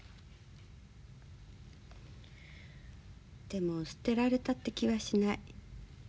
でも捨てられたって気はしない。